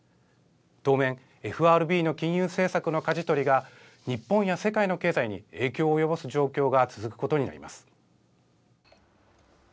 当面、ＦＲＢの金融政策のかじ取りが、日本や世界の経済に影響を及ぼす状況が続くことになります。